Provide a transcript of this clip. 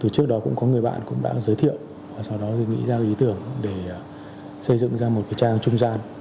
từ trước đó cũng có người bạn cũng đã giới thiệu sau đó thì nghĩ ra ý tưởng để xây dựng ra một cái trang trung gian